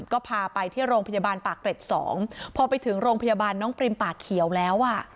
ก็พาไปที่โรงพยาบาลปากเกร็ดสองพอไปถึงโรงพยาบาลน้องปริมปากเขียวแล้วอ่ะ